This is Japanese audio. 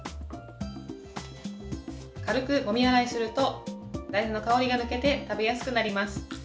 軽くもみ洗いすると大豆の香りが抜けて食べやすくなります。